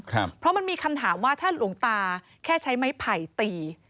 เพราะมันมีคำถามว่าถ้าหลวงตาแค่ใช้ไม้ไผ่ตี